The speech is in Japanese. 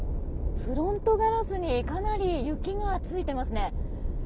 フロントガラスにかなり雪がついていますね。